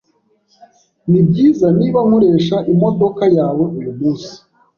Nibyiza niba nkoresha imodoka yawe uyumunsi?